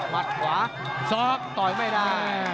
มัดขวาซอกต่อยไม่ได้